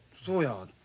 そうや。